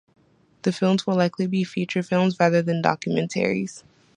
The films will likely be feature films rather than documentaries.